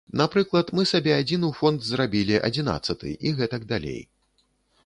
Напрыклад, мы сабе адзін у фонд зрабілі адзінаццаты і гэтак далей.